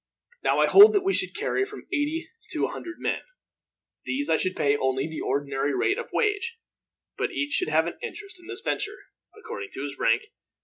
"Now I hold that we should carry from eighty to a hundred men. These I should pay only the ordinary rate of wage, but each should have an interest in the venture, according to his rank.